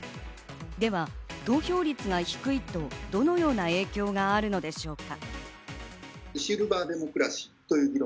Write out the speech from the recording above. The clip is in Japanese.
では投票率が低いと、どのような影響があるのでしょうか。